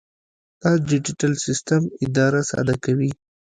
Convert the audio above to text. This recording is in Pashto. دا ډیجیټل سیسټم اداره ساده کوي.